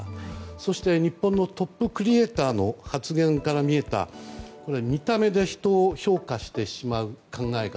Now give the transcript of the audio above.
そして日本のトップクリエーターの発言から見えた見た目で人を評価してしまう考え方。